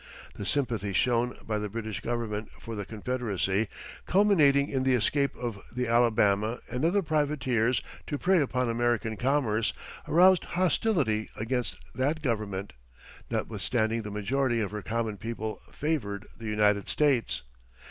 The sympathy shown by the British Government for the Confederacy, culminating in the escape of the Alabama and other privateers to prey upon American commerce, aroused hostility against that Government, notwithstanding the majority of her common people favored the United States.